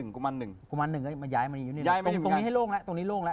กุมาร๑ตรงนี้ให้โล่งละ